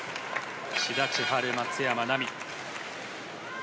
志田千陽・松山奈未。